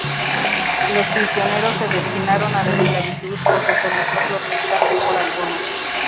Los prisioneros se destinaron a la esclavitud o se solicitó rescate por algunos.